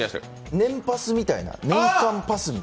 年間パスみたいな？